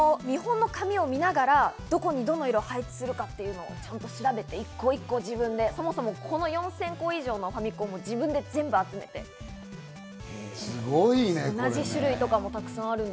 見本の紙を見ながら、どこにどの色を配置するのかちゃんと調べて、一個一個自分でそもそも４０００個以上のファミコンを自分で全部集めて同じ種類とかもた